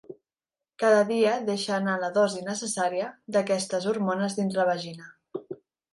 Cada dia deixa anar la dosi necessària d'aquestes hormones dins la vagina.